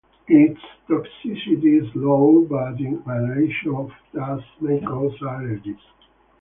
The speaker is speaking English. Its toxicity is low, but inhalation of dust may cause allergies.